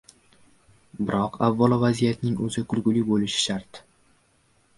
biroq, avvalo, vaziyatning o‘zi kulgili bo‘lishi shart.